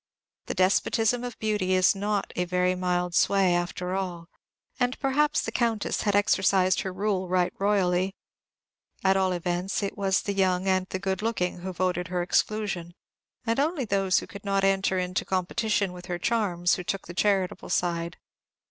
The despotism of beauty is not a very mild sway, after all; and perhaps the Countess had exercised her rule right royally. At all events, it was the young and the good looking who voted her exclusion, and only those who could not enter into competition with her charms who took the charitable side.